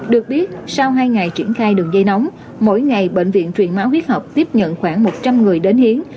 được biết sau hai ngày triển khai đường dây nóng mỗi ngày bệnh viện truyền máu huyết học tiếp nhận khoảng một trăm linh người đến hiến